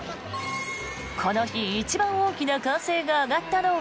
この日、一番大きな歓声が上がったのは。